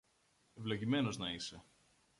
Ευλογημένος να είσαι!